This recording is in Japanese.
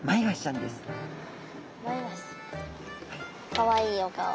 かわいいお顔。